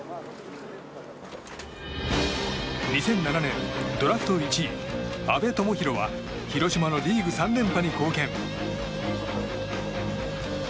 ２００７年、ドラフト１位安部友裕は広島のリーグ３連覇に貢献。